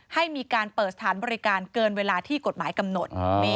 ให้มีการเปิดสถานบริการเกินเวลาที่กฎหมายกำหนด